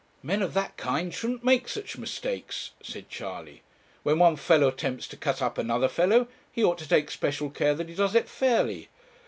'Men of that kind shouldn't make such mistakes,' said Charley. 'When one fellow attempts to cut up another fellow, he ought to take special care that he does it fairly.'